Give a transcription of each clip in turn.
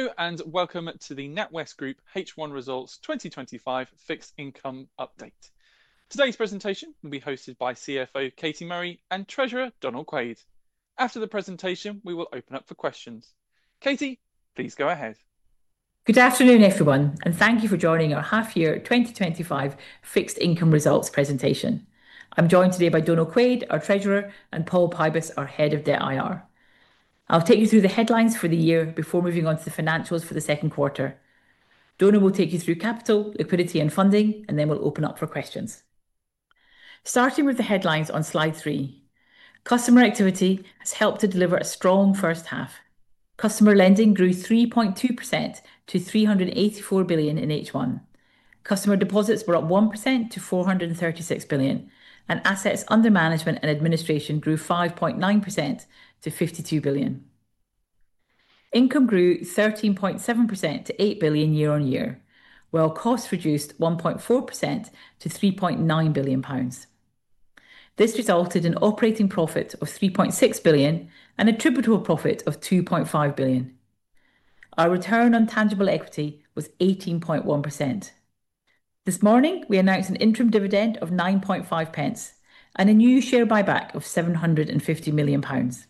Hello and welcome to the NatWest Group H1 Results 2025 Fixed Income Update. Today's presentation will be hosted by CFO Katie Murray and Treasurer Donal Quaid. After the presentation, we will open up for questions. Katie, please go ahead. Good afternoon, everyone, and thank you for joining our Half-Year 2025 Fixed Income Results Presentation. I'm joined today by Donal Quaid, our Treasurer, and Paul Pybus, our Head of Debt IR. I'll take you through the headlines for the year before moving on to the financials for the second quarter. Donal will take you through capital, liquidity, and funding, and then we'll open up for questions. Starting with the headlines on slide three, customer activity has helped to deliver a strong first half. Customer lending grew 3.2% to 384 billion in H1. Customer deposits were up 1% to 436 billion, and assets under management and administration grew 5.9% to 52 billion. Income grew 13.7% to 8 billion year-on-year, while costs reduced 1.4% to 3.9 billion pounds. This resulted in operating profit of 3.6 billion and attributable profit of 2.5 billion. Our return on tangible equity was 18.1%. This morning, we announced an interim dividend of 0.095 and a new share buyback of 750 million pounds.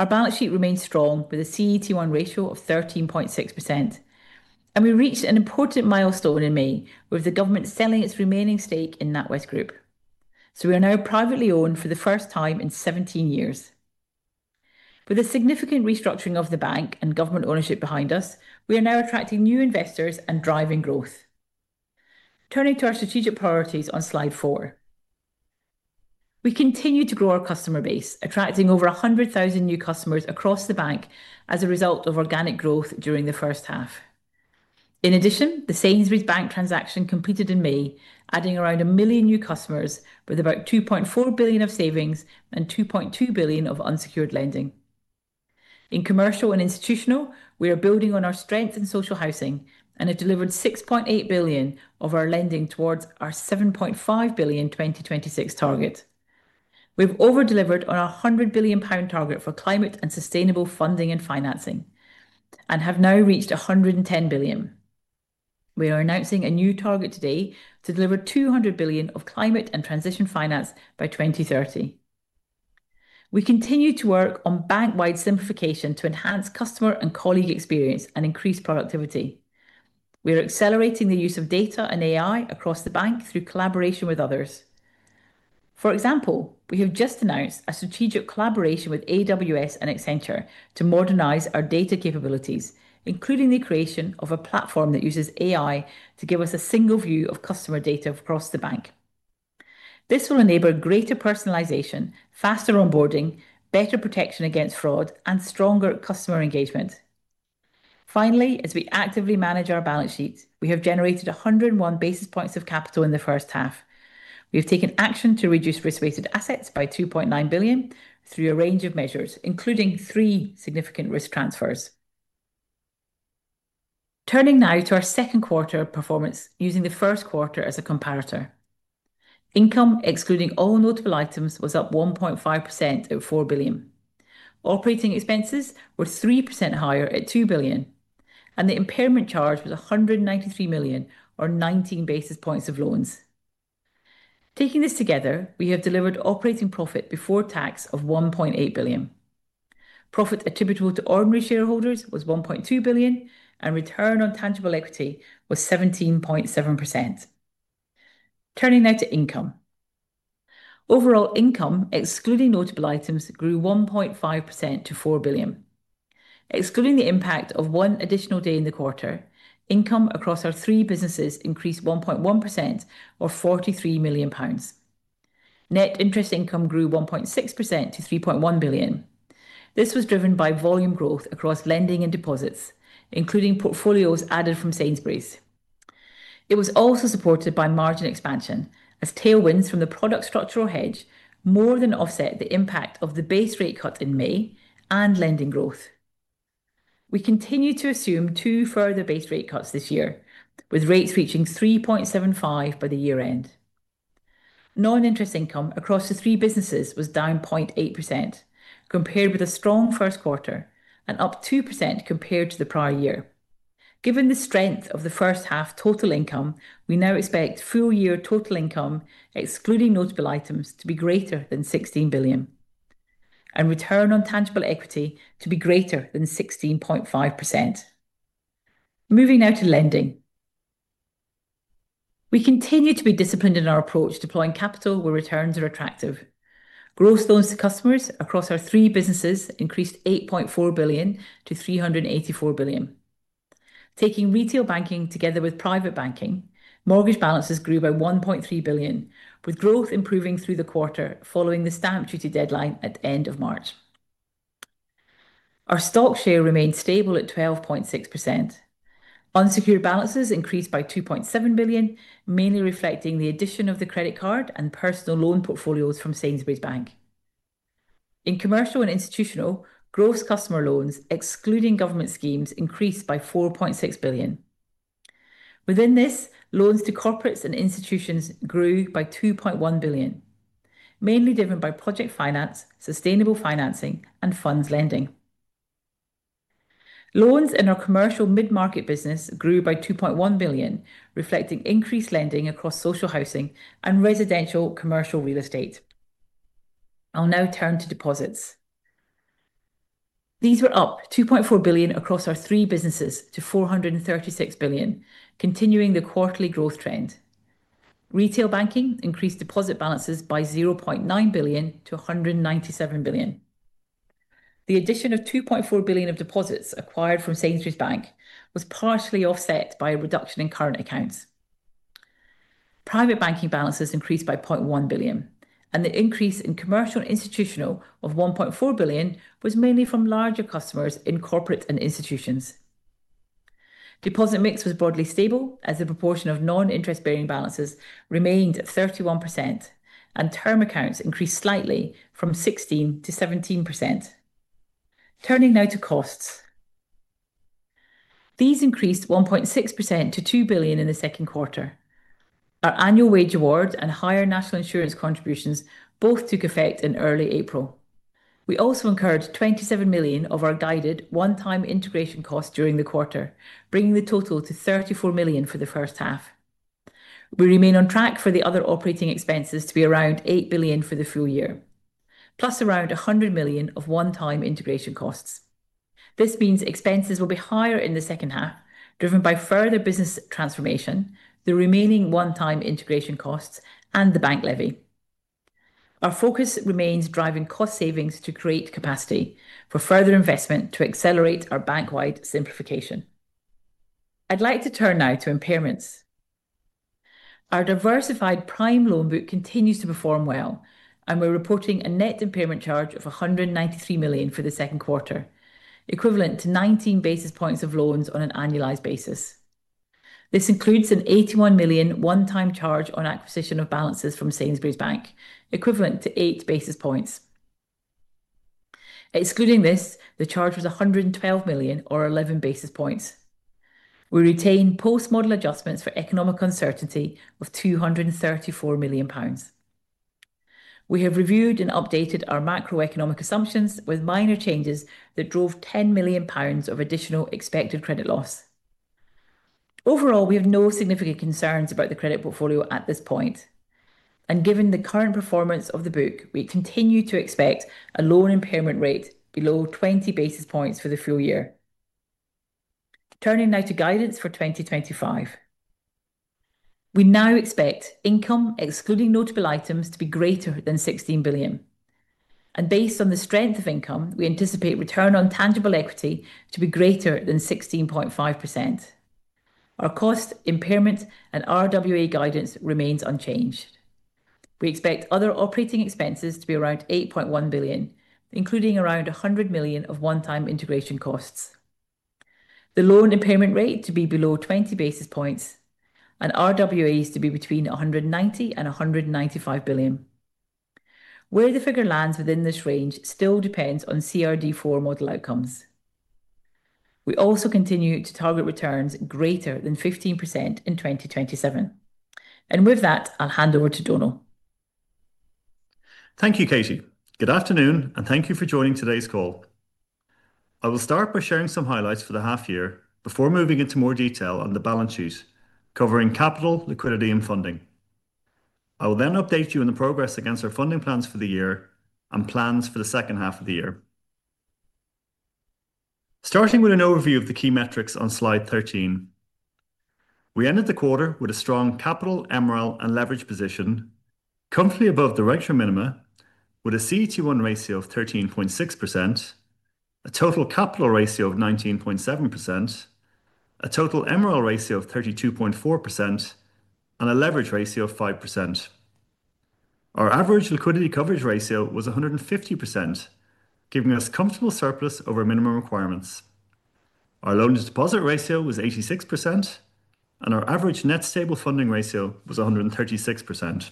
Our balance sheet remains strong with a CET1 ratio of 13.6%. We reached an important milestone in May with the government selling its remaining stake in NatWest Group. We are now privately owned for the first time in 17 years. With a significant restructuring of the bank and government ownership behind us, we are now attracting new investors and driving growth. Turning to our strategic priorities on slide four. We continue to grow our customer base, attracting over 100,000 new customers across the bank as a result of organic growth during the first half. In addition, the Sainsbury’s Bank transaction completed in May, adding around 1 million new customers with about 2.4 billion of savings and 2.2 billion of unsecured lending. In commercial and institutional, we are building on our strength in social housing and have delivered 6.8 billion of our lending towards our 7.5 billion 2026 target. We've over-delivered on our 100 billion pound target for climate and sustainable funding and financing and have now reached 110 billion. We are announcing a new target today to deliver 200 billion of climate and transition finance by 2030. We continue to work on bank-wide simplification to enhance customer and colleague experience and increase productivity. We are accelerating the use of data and AI across the bank through collaboration with others. For example, we have just announced a strategic collaboration with AWS and Accenture to modernize our data capabilities, including the creation of a platform that uses AI to give us a single view of customer data across the bank. This will enable greater personalization, faster onboarding, better protection against fraud, and stronger customer engagement. Finally, as we actively manage our balance sheet, we have generated 101 basis points of capital in the first half. We have taken action to reduce risk-weighted assets by 2.9 billion through a range of measures, including three significant risk transfers. Turning now to our second quarter performance using the first quarter as a comparator. Income, excluding all notable items, was up 1.5% at 4 billion. Operating expenses were 3% higher at 2 billion, and the impairment charge was 193 million, or 19 basis points of loans. Taking this together, we have delivered operating profit before tax of 1.8 billion. Profit attributable to ordinary shareholders was 1.2 billion, and return on tangible equity was 17.7%. Turning now to income. Overall income, excluding notable items, grew 1.5% to 4 billion. Excluding the impact of one additional day in the quarter, income across our three businesses increased 1.1%, or 43 million pounds. Net interest income grew 1.6% to 3.1 billion. This was driven by volume growth across lending and deposits, including portfolios added from Sainsbury’s. It was also supported by margin expansion, as tailwinds from the product structural hedge more than offset the impact of the base rate cut in May and lending growth. We continue to assume two further base rate cuts this year, with rates reaching 3.75% by the year-end. Non-interest income across the three businesses was down 0.8%, compared with a strong first quarter and up 2% compared to the prior year. Given the strength of the first half total income, we now expect full year total income, excluding notable items, to be greater than 16 billion, and return on tangible equity to be greater than 16.5%. Moving now to lending. We continue to be disciplined in our approach to deploying capital where returns are attractive. Gross loans to customers across our three businesses increased 8.4 billion to 384 billion. Taking retail banking together with private banking, mortgage balances grew by 1.3 billion, with growth improving through the quarter following the stamp duty deadline at the end of March. Our stock share remained stable at 12.6%. Unsecured balances increased by 2.7 billion, mainly reflecting the addition of the credit card and personal loan portfolios from Sainsbury’s Bank. In commercial and institutional, gross customer loans, excluding government schemes, increased by 4.6 billion. Within this, loans to corporates and institutions grew by 2.1 billion, mainly driven by project finance, sustainable financing, and funds lending. Loans in our commercial mid-market business grew by 2.1 billion, reflecting increased lending across social housing and residential commercial real estate. I'll now turn to deposits. These were up 2.4 billion across our three businesses to 436 billion, continuing the quarterly growth trend. Retail banking increased deposit balances by 0.9 billion to 197 billion. The addition of 2.4 billion of deposits acquired from Sainsbury’s Bank was partially offset by a reduction in current accounts. Private banking balances increased by 0.1 billion, and the increase in commercial and institutional of 1.4 billion was mainly from larger customers in corporate and institutions. Deposit mix was broadly stable, as the proportion of non-interest-bearing balances remained at 31%, and term accounts increased slightly from 16% to 17%. Turning now to costs. These increased 1.6% to 2 billion in the second quarter. Our annual wage awards and higher national insurance contributions both took effect in early April. We also incurred 27 million of our guided one-time integration costs during the quarter, bringing the total to 34 million for the first half. We remain on track for the other operating expenses to be around 8 billion for the full year, plus around 100 million of one-time integration costs. This means expenses will be higher in the second half, driven by further business transformation, the remaining one-time integration costs, and the bank levy. Our focus remains driving cost savings to create capacity for further investment to accelerate our bank-wide simplification. I'd like to turn now to impairments. Our diversified prime loan book continues to perform well, and we're reporting a net impairment charge of 193 million for the second quarter, equivalent to 19 basis points of loans on an annualized basis. This includes a 81 million one-time charge on acquisition of balances from Sainsbury’s Bank, equivalent to 8 basis points. Excluding this, the charge was 112 million, or 11 basis points. We retain post-model adjustments for economic uncertainty of 234 million pounds. We have reviewed and updated our macroeconomic assumptions with minor changes that drove 10 million pounds of additional expected credit loss. Overall, we have no significant concerns about the credit portfolio at this point. Given the current performance of the book, we continue to expect a loan impairment rate below 20 basis points for the full year. Turning now to guidance for 2025. We now expect income, excluding notable items, to be greater than 16 billion. Based on the strength of income, we anticipate return on tangible equity to be greater than 16.5%. Our cost, impairment, and RWA guidance remains unchanged. We expect other operating expenses to be around 8.1 billion, including around 100 million of one-time integration costs. The loan impairment rate to be below 20 basis points and RWAs to be between 190 billion-195 billion. Where the figure lands within this range still depends on CRD4 model outcomes. We also continue to target returns greater than 15% in 2027. With that, I'll hand over to Donal. Thank you, Katie. Good afternoon, and thank you for joining today's call. I will start by sharing some highlights for the half-year before moving into more detail on the balance sheet, covering capital, liquidity, and funding. I will then update you on the progress against our funding plans for the year and plans for the second half of the year. Starting with an overview of the key metrics on slide 13. We ended the quarter with a strong capital, MREL, and leverage position. Comfortably above the ratio minima, with a CET1 ratio of 13.6%. A total capital ratio of 19.7%. A total MREL ratio of 32.4%. And a leverage ratio of 5%. Our average liquidity coverage ratio was 150%, giving us comfortable surplus over minimum requirements. Our loan-to-deposit ratio was 86%, and our average net stable funding ratio was 136%.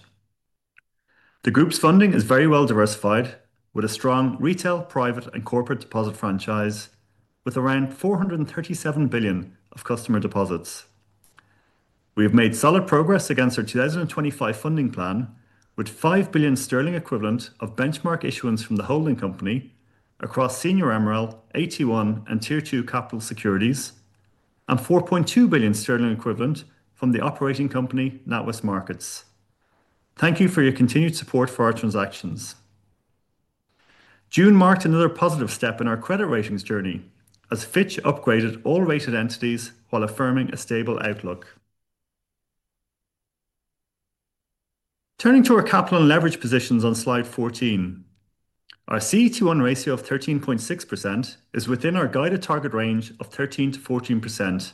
The group's funding is very well diversified, with a strong retail, private, and corporate deposit franchise, with around 437 billion of customer deposits. We have made solid progress against our 2025 funding plan, with 5 billion sterling equivalent of benchmark issuance from the holding company across senior MREL, AT1, and Tier 2 capital securities, and 4.2 billion sterling equivalent from the operating company, NatWest Markets. Thank you for your continued support for our transactions. June marked another positive step in our credit ratings journey, as Fitch upgraded all rated entities while affirming a stable outlook. Turning to our capital and leverage positions on slide 14. Our CET1 ratio of 13.6% is within our guided target range of 13%-14%.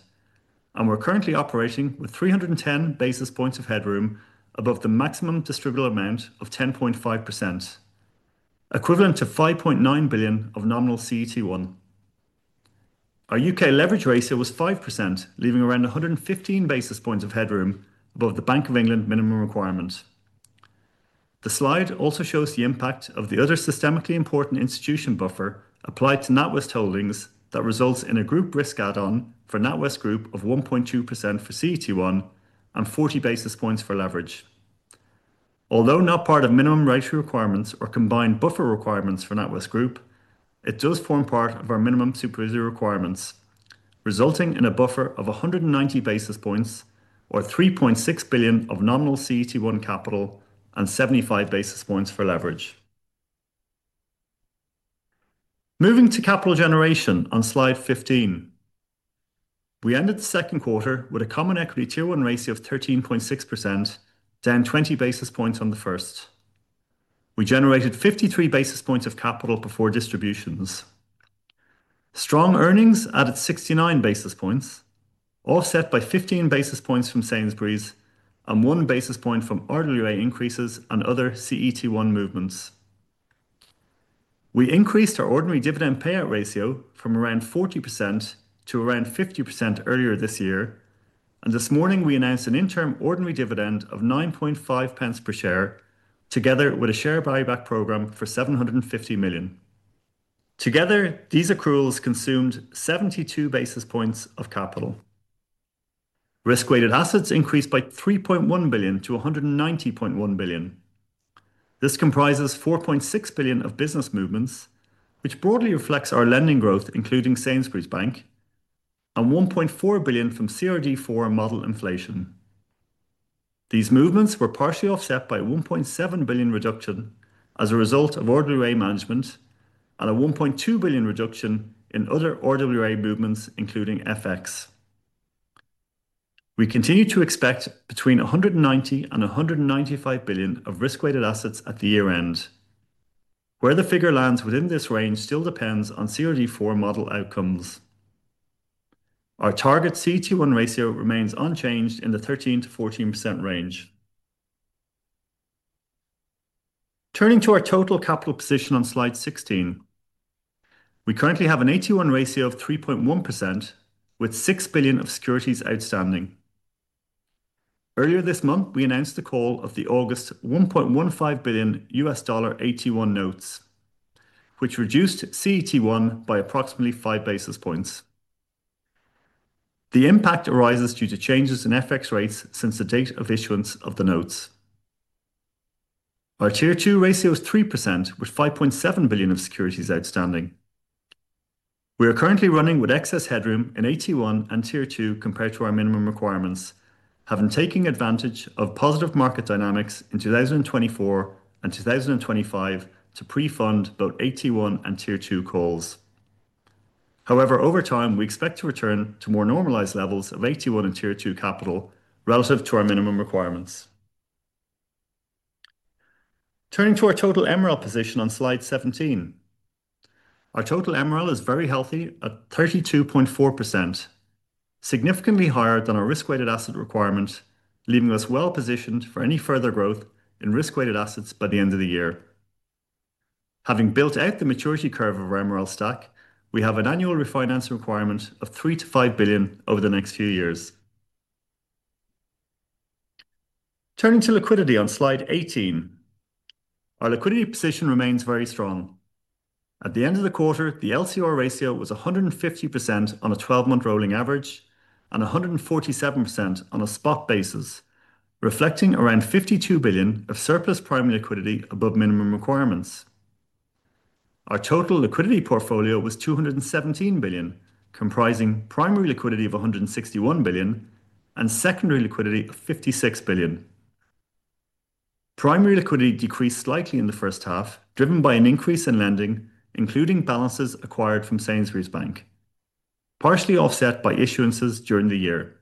We are currently operating with 310 basis points of headroom above the maximum distributable amount of 10.5%. Equivalent to 5.9 billion of nominal CET1. Our U.K. leverage ratio was 5%, leaving around 115 basis points of headroom above the Bank of England minimum requirement. The slide also shows the impact of the other systemically important institution buffer applied to NatWest Holdings that results in a group risk add-on for NatWest Group of 1.2% for CET1 and 40 basis points for leverage. Although not part of minimum rating requirements or combined buffer requirements for NatWest Group, it does form part of our minimum superannuity requirements, resulting in a buffer of 190 basis points, or 3.6 billion of nominal CET1 capital, and 75 basis points for leverage. Moving to capital generation on slide 15. We ended the second quarter with a Common Equity Tier 1 ratio of 13.6%, down 20 basis points on the first. We generated 53 basis points of capital before distributions. Strong earnings added 69 basis points, offset by 15 basis points from Sainsbury’s and one basis point from RWA increases and other CET1 movements. We increased our ordinary dividend payout ratio from around 40%-around 50% earlier this year, and this morning we announced an interim ordinary dividend of 0.095 per share, together with a share buyback program for 750 million. Together, these accruals consumed 72 basis points of capital. Risk-weighted assets increased by 3.1 billion-190.1 billion. This comprises 4.6 billion of business movements, which broadly reflects our lending growth, including Sainsbury’s Bank, and 1.4 billion from CRD4 model inflation. These movements were partially offset by a 1.7 billion reduction as a result of RWA management and a 1.2 billion reduction in other RWA movements, including FX. We continue to expect between 190 billion-195 billion of risk-weighted assets at the year-end. Where the figure lands within this range still depends on CRD4 model outcomes. Our target CET1 ratio remains unchanged in the 13%-14% range. Turning to our total capital position on slide 16. We currently have an AT1 ratio of 3.1%, with 6 billion of securities outstanding. Earlier this month, we announced the call of the August $1.15 billion AT1 notes, which reduced CET1 by approximately 5 basis points. The impact arises due to changes in FX rates since the date of issuance of the notes. Our Tier 2 ratio is 3%, with 5.7 billion of securities outstanding. We are currently running with excess headroom in AT1 and Tier 2 compared to our minimum requirements, having taken advantage of positive market dynamics in 2024 and 2025 to pre-fund both AT1 and Tier 2 calls. However, over time, we expect to return to more normalized levels of AT1 and Tier 2 capital relative to our minimum requirements. Turning to our total MREL position on slide 17. Our total MREL is very healthy at 32.4%. Significantly higher than our risk-weighted asset requirement, leaving us well positioned for any further growth in risk-weighted assets by the end of the year. Having built out the maturity curve of our MREL stack, we have an annual refinancing requirement of 3 billion-5 billion over the next few years. Turning to liquidity on slide 18. Our liquidity position remains very strong. At the end of the quarter, the LCR ratio was 150% on a 12-month rolling average and 147% on a spot basis, reflecting around 52 billion of surplus primary liquidity above minimum requirements. Our total liquidity portfolio was 217 billion, comprising primary liquidity of 161 billion and secondary liquidity of 56 billion. Primary liquidity decreased slightly in the first half, driven by an increase in lending, including balances acquired from Sainsbury’s Bank, partially offset by issuances during the year.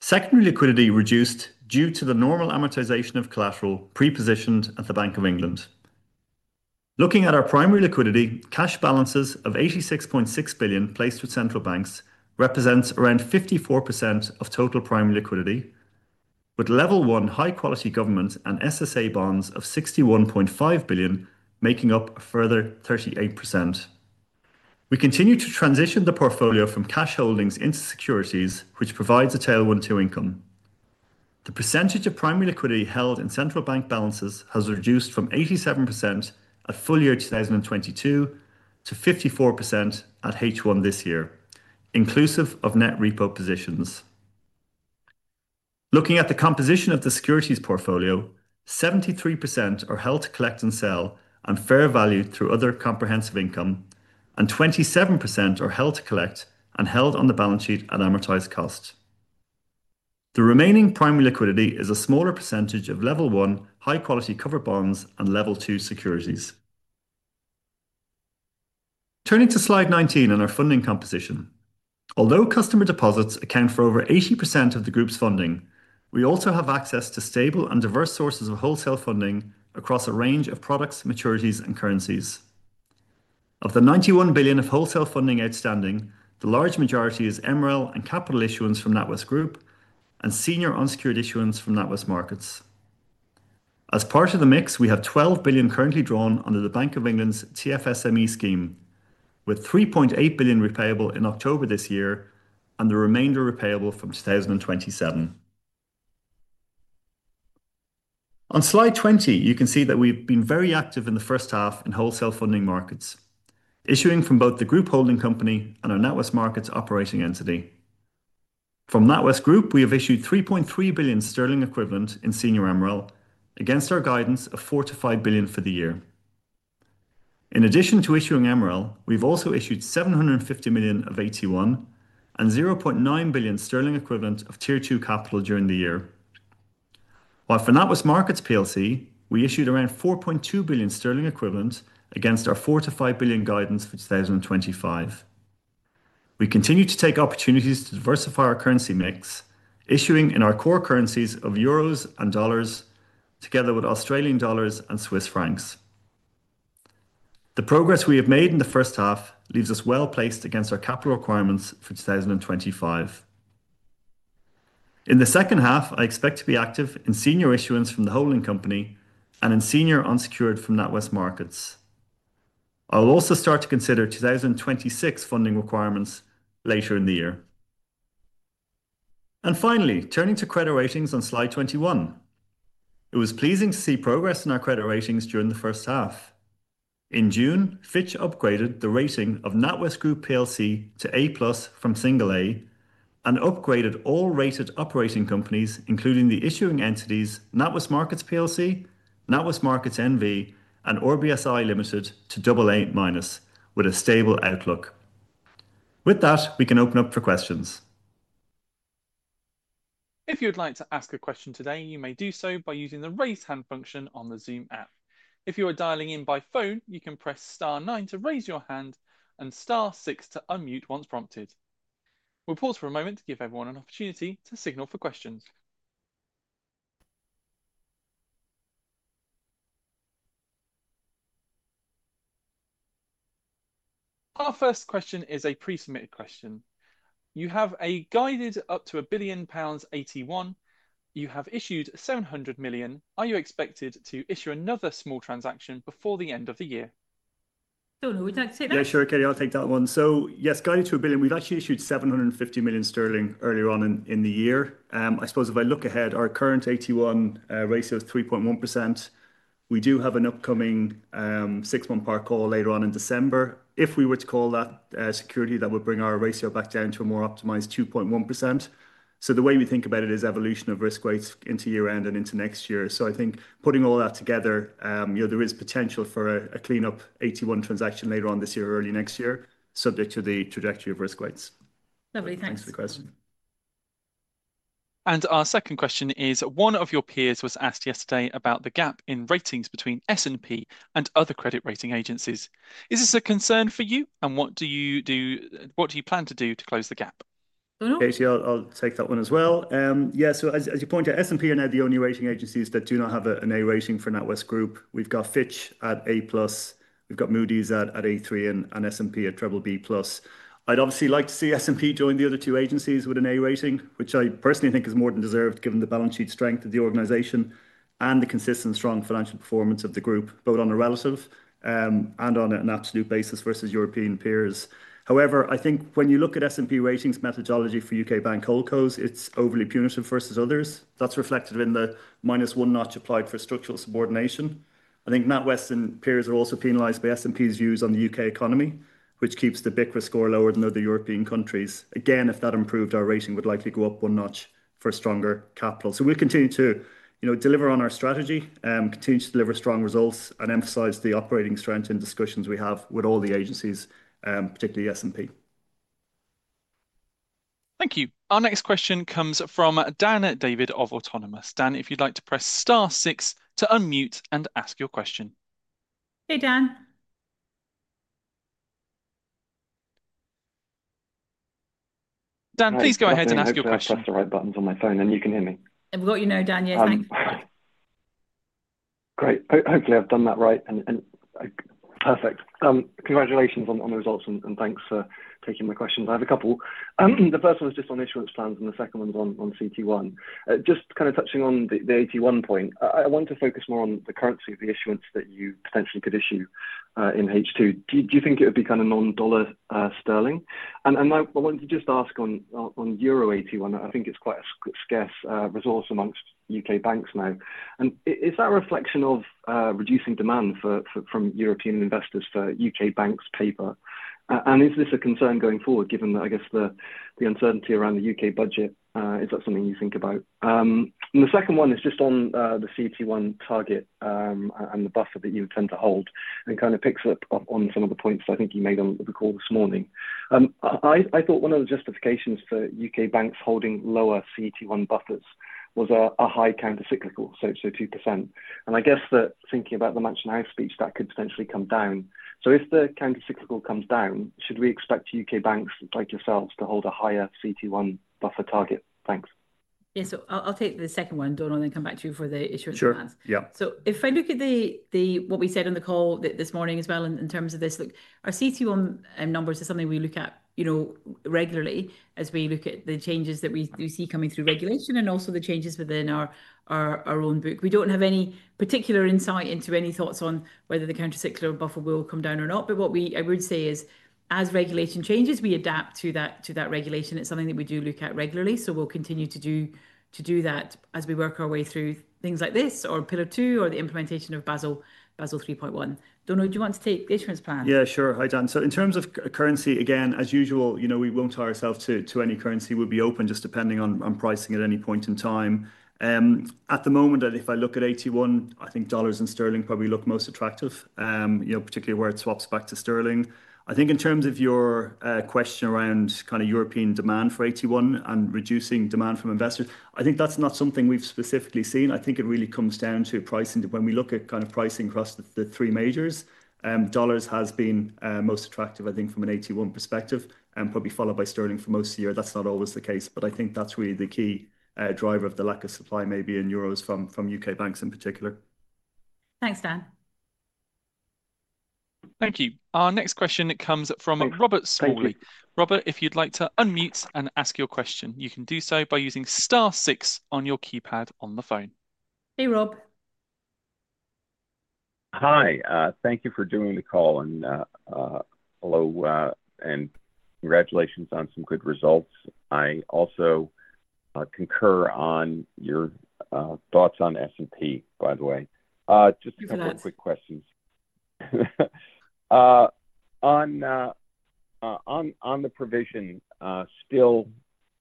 Secondary liquidity reduced due to the normal amortization of collateral pre-positioned at the Bank of England. Looking at our primary liquidity, cash balances of 86.6 billion placed with central banks represents around 54% of total primary liquidity, with level one high-quality government and SSA bonds of 61.5 billion making up a further 38%. We continue to transition the portfolio from cash holdings into securities, which provides a tailwind to income. The percentage of primary liquidity held in central bank balances has reduced from 87% at full year 2022 to 54% at H1 this year, inclusive of net repo positions. Looking at the composition of the securities portfolio, 73% are held to collect and sell and fair value through other comprehensive income, and 27% are held to collect and held on the balance sheet at amortized cost. The remaining primary liquidity is a smaller percentage of level one high-quality cover bonds and level two securities. Turning to slide 19 on our funding composition. Although customer deposits account for over 80% of the group's funding, we also have access to stable and diverse sources of wholesale funding across a range of products, maturities, and currencies. Of the 91 billion of wholesale funding outstanding, the large majority is MREL and capital issuance from NatWest Group and senior unsecured issuance from NatWest Markets. As part of the mix, we have 12 billion currently drawn under the Bank of England's TFSME scheme, with 3.8 billion repayable in October this year and the remainder repayable from 2027. On slide 20, you can see that we've been very active in the first half in wholesale funding markets, issuing from both the group holding company and our NatWest Markets operating entity. From NatWest Group, we have issued 3.3 billion sterling equivalent in senior MREL against our guidance of 4-5 billion for the year. In addition to issuing MREL, we've also issued 750 million of AT1 and 0.9 billion sterling equivalent of Tier 2 capital during the year. While for NatWest Markets PLC, we issued around 4.2 billion sterling equivalent against our 4-5 billion guidance for 2025. We continue to take opportunities to diversify our currency mix, issuing in our core currencies of euros and dollars, together with Australian dollars and Swiss francs. The progress we have made in the first half leaves us well placed against our capital requirements for 2025. In the second half, I expect to be active in senior issuance from the holding company and in senior unsecured from NatWest Markets. I will also start to consider 2026 funding requirements later in the year. Finally, turning to credit ratings on slide 21. It was pleasing to see progress in our credit ratings during the first half. In June, Fitch upgraded the rating of NatWest Group plc to A+ from single A and upgraded all rated operating companies, including the issuing entities NatWest Markets plc, NatWest Markets N.V., and RBSI Ltd to AA-, with a stable outlook. With that, we can open up for questions. If you'd like to ask a question today, you may do so by using the raise hand function on the Zoom app. If you are dialing in by phone, you can press star nine to raise your hand and star six to unmute once prompted. We'll pause for a moment to give everyone an opportunity to signal for questions. Our first question is a pre-submitted question. You have a guided up to 1 billion pounds AT1. You have issued 700 million. Are you expected to issue another small transaction before the end of the year? Don't know. Would you like to take that? Yeah, sure, Katie, I'll take that one. So yes, guided to a billion. We've actually issued 750 million sterling earlier on in the year. I suppose if I look ahead, our current AT1 ratio is 3.1%. We do have an upcoming six-month par call later on in December. If we were to call that security, that would bring our ratio back down to a more optimized 2.1%. The way we think about it is evolution of risk weights into year-end and into next year. I think putting all that together, you know, there is potential for a clean-up AT1 transaction later on this year or early next year, subject to the trajectory of risk weights. Lovely. Thanks. Thanks for the question. Our second question is One of your peers was asked yesterday about the gap in ratings between S&P and other credit rating agencies. Is this a concern for you? What do you do? What do you plan to do to close the gap? Don't know. Katie, I'll take that one as well. Yeah, so as you point out, S&P are now the only rating agencies that do not have an A rating for NatWest Group. We've got Fitch at A+. We've got Moody's at A3 and S&P at BBB+. I'd obviously like to see S&P join the other two agencies with an A rating, which I personally think is more than deserved given the balance sheet strength of the organization and the consistent strong financial performance of the group, both on a relative and on an absolute basis versus European peers. However, I think when you look at S&P ratings methodology for U.K. bank hold codes, it's overly punitive versus others. That's reflected in the minus one notch applied for structural subordination. I think NatWest and peers are also penalized by S&P's views on the U.K. economy, which keeps the BICRA score lower than other European countries. Again, if that improved, our rating would likely go up one notch for stronger capital. We'll continue to, you know, deliver on our strategy, continue to deliver strong results, and emphasize the operating strength in discussions we have with all the agencies, particularly S&P. Thank you. Our next question comes from Dan David of Autonomous. Dan, if you'd like to press star six to unmute and ask your question. Hey, Dan. Dan, please go ahead and ask your question. I've pressed the right buttons on my phone, and you can hear me. I've got you now, Dan. Yeah, thanks. All right. Great. Hopefully, I've done that right. Perfect. Congratulations on the results, and thanks for taking my questions. I have a couple. The first one is just on issuance plans, and the second one is on CET1. Just kind of touching on the AT1 point, I want to focus more on the currency of the issuance that you potentially could issue in H2. Do you think it would be kind of non-dollar sterling? I wanted to just ask on Euro AT1. I think it's quite a scarce resource amongst U.K. banks now. Is that a reflection of reducing demand from European investors for U.K. banks' paper? Is this a concern going forward, given that, I guess, the uncertainty around the U.K. budget? Is that something you think about? The second one is just on the CET1 target and the buffer that you tend to hold and kind of picks up on some of the points I think you made on the call this morning. I thought one of the justifications for U.K. banks holding lower CET1 buffers was a high countercyclical, so 2%. I guess that thinking about the Mansion House speech, that could potentially come down. If the countercyclical comes down, should we expect U.K. banks like yourselves to hold a higher CET1 buffer target? Thanks. Yeah, so I'll take the second one, Donal, and then come back to you for the issuance plans. Sure. Yeah. If I look at what we said on the call this morning as well in terms of this, look, our CET1 numbers are something we look at, you know, regularly as we look at the changes that we see coming through regulation and also the changes within our own book. We do not have any particular insight into any thoughts on whether the countercyclical buffer will come down or not. What I would say is, as regulation changes, we adapt to that regulation. It is something that we do look at regularly. We will continue to do that as we work our way through things like this or Pillar Two or the implementation of Basel 3.1. Donal, do you want to take the issuance plan? Yeah, sure. Hi, Dan. In terms of currency, again, as usual, you know, we will not tie ourselves to any currency. We will be open just depending on pricing at any point in time. At the moment, if I look at AT1, I think dollars and sterling probably look most attractive, you know, particularly where it swaps back to sterling. I think in terms of your question around kind of European demand for AT1 and reducing demand from investors, I think that is not something we have specifically seen. I think it really comes down to pricing. When we look at kind of pricing across the three majors, dollars has been most attractive, I think, from an AT1 perspective, and probably followed by sterling for most of the year. That is not always the case, but I think that is really the key driver of the lack of supply maybe in euros from U.K. banks in particular. Thanks, Dan. Thank you. Our next question comes from Robert Spauldry. Robert, if you'd like to unmute and ask your question, you can do so by using star six on your keypad on the phone. Hey, Rob. Hi. Thank you for doing the call. Hello, and congratulations on some good results. I also concur on your thoughts on S&P, by the way. Just a couple of quick questions. On the provision, still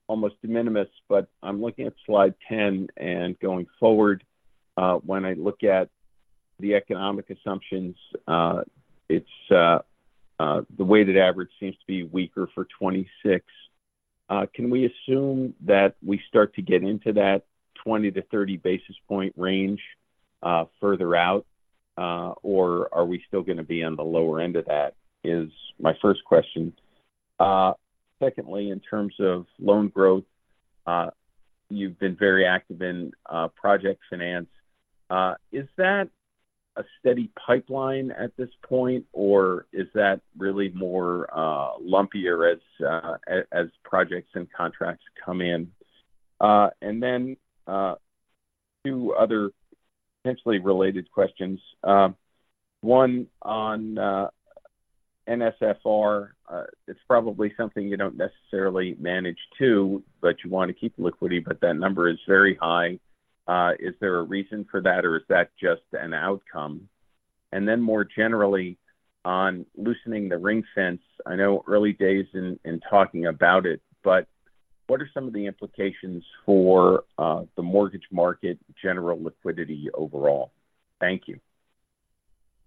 almost de minimis, but I'm looking at slide 10 and going forward. When I look at the economic assumptions, it's the weighted average seems to be weaker for 2026. Can we assume that we start to get into that 20-30 basis point range further out, or are we still going to be on the lower end of that is my first question. Secondly, in terms of loan growth, you've been very active in project finance. Is that a steady pipeline at this point, or is that really more lumpier as projects and contracts come in? And then two other potentially related questions. One on NSFR, it's probably something you don't necessarily manage to, but you want to keep liquidity, but that number is very high. Is there a reason for that, or is that just an outcome? And then more generally on loosening the ring-fence, I know early days in talking about it, but what are some of the implications for the mortgage market, general liquidity overall? Thank you.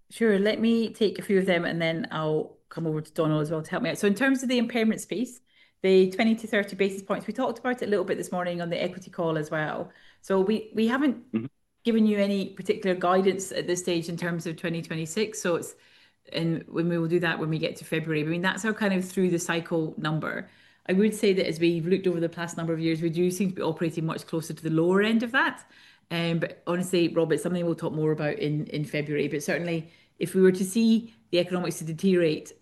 Sure. Let me take a few of them, and then I'll come over to Donal as well to help me out. In terms of the impairment space, the 20-30 basis points, we talked about it a little bit this morning on the equity call as well. We haven't given you any particular guidance at this stage in terms of 2026. We will do that when we get to February. I mean, that's our kind of through-the-cycle number. I would say that as we've looked over the past number of years, we do seem to be operating much closer to the lower end of that. Honestly, Robert, it's something we'll talk more about in February. Certainly, if we were to see the economics deteriorate,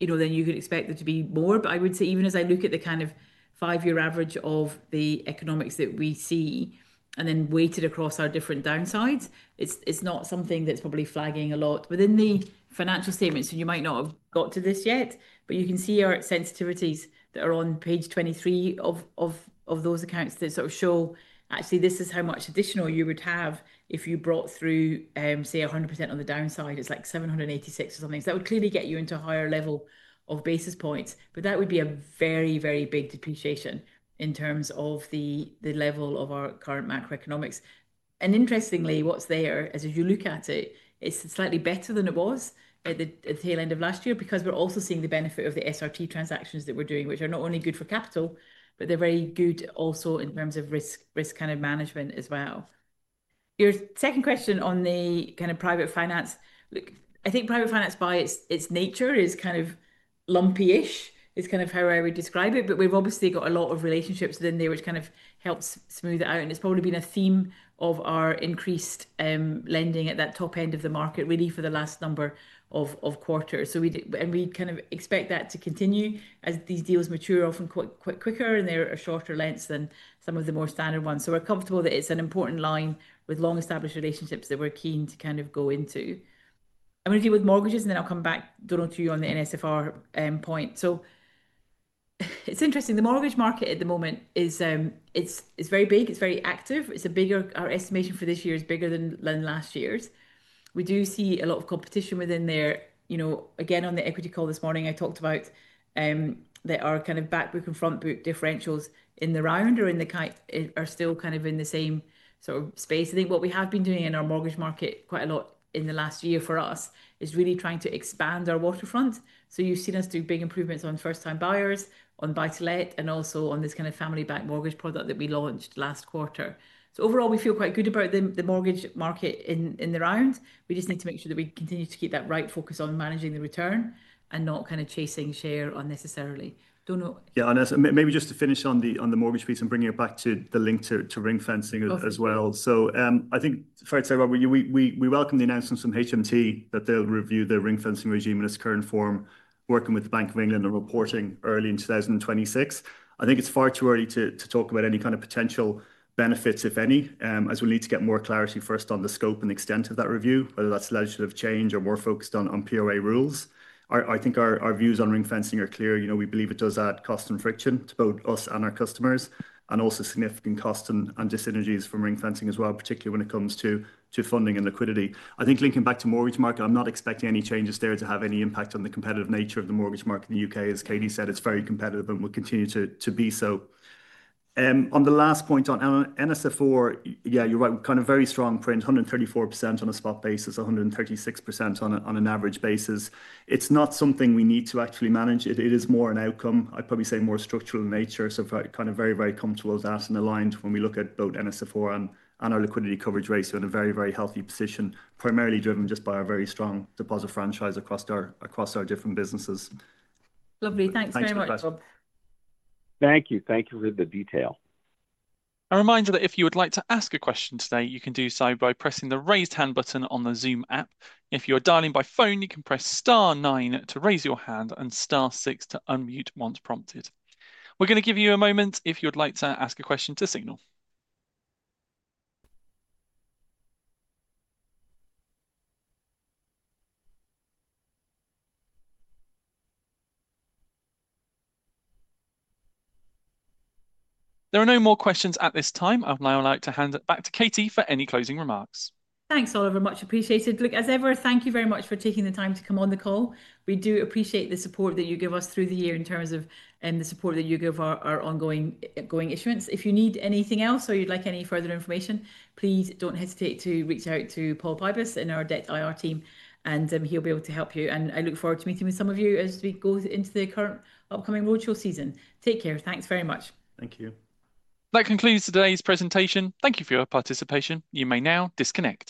you know, then you could expect there to be more. I would say even as I look at the kind of five-year average of the economics that we see and then weighted across our different downsides, it's not something that's probably flagging a lot within the financial statements. You might not have got to this yet, but you can see our sensitivities that are on page 23 of those accounts that sort of show actually this is how much additional you would have if you brought through, say, 100% on the downside. It's like 786 or something. That would clearly get you into a higher level of basis points, but that would be a very, very big depreciation in terms of the level of our current macroeconomics. Interestingly, what's there is as you look at it, it's slightly better than it was at the tail end of last year because we're also seeing the benefit of the SRT transactions that we're doing, which are not only good for capital, but they're very good also in terms of risk kind of management as well. Your second question on the kind of private finance, look, I think private finance by its nature is kind of lumpy-ish is kind of how I would describe it, but we've obviously got a lot of relationships within there, which kind of helps smooth it out. It's probably been a theme of our increased lending at that top end of the market really for the last number of quarters. We kind of expect that to continue as these deals mature often quite quicker, and they're a shorter length than some of the more standard ones. We're comfortable that it's an important line with long-established relationships that we're keen to kind of go into. I'm going to deal with mortgages, and then I'll come back, Donal, to you on the NSFR point. It's interesting. The mortgage market at the moment is very big. It's very active. Our estimation for this year is bigger than last year's. We do see a lot of competition within there. You know, again, on the equity call this morning, I talked about that our kind of backbook and frontbook differentials in the round or in the kite are still kind of in the same sort of space. I think what we have been doing in our mortgage market quite a lot in the last year for us is really trying to expand our waterfront. You have seen us do big improvements on first-time buyers, on buy-to-let, and also on this kind of family-backed mortgage product that we launched last quarter. Overall, we feel quite good about the mortgage market in the round. We just need to make sure that we continue to keep that right focus on managing the return and not kind of chasing share unnecessarily. Donal. Yeah, and maybe just to finish on the mortgage piece and bringing it back to the link to ring-fencing as well. I think, fair to say, Robert, we welcome the announcements from HMT that they'll review the ring-fencing regime in its current form, working with the Bank of England and reporting early in 2026. I think it's far too early to talk about any kind of potential benefits, if any, as we need to get more clarity first on the scope and extent of that review, whether that's legislative change or more focused on POA rules. I think our views on ring-fencing are clear. You know, we believe it does add cost and friction to both us and our customers, and also significant cost and dissynergies from ring fencing as well, particularly when it comes to funding and liquidity. I think linking back to mortgage market, I'm not expecting any changes there to have any impact on the competitive nature of the mortgage market in the U.K. As Katie said, it's very competitive and will continue to be so. On the last point on NSFR, yeah, you're right, kind of very strong print, 134% on a spot basis, 136% on an average basis. It's not something we need to actually manage. It is more an outcome. I'd probably say more structural in nature. Kind of very, very comfortable with that and aligned when we look at both NSFR and our liquidity coverage ratio in a very, very healthy position, primarily driven just by our very strong deposit franchise across our different businesses. Lovely. Thanks very much, Rob. Thank you. Thank you for the detail. A reminder that if you would like to ask a question today, you can do so by pressing the raised hand button on the Zoom app. If you are dialing by phone, you can press star nine to raise your hand and star six to unmute once prompted. We're going to give you a moment if you'd like to ask a question to signal. There are no more questions at this time. I'd now like to hand it back to Katie for any closing remarks. Thanks, Oliver. Muc appreciate it. Look, as ever, thank you very much for taking the time to come on the call. We do appreciate the support that you give us through the year in terms of the support that you give our ongoing issuance. If you need anything else or you'd like any further information, please don't hesitate to reach out to Paul Pybus in our debt IR team, and he'll be able to help you. I look forward to meeting with some of you as we go into the current upcoming roadshow season. Take care. Thanks very much. Thank you. That concludes today's presentation. Thank you for your participation. You may now disconnect.